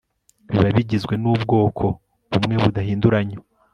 biba bigizwe nubwoko bumwe budahinduranywa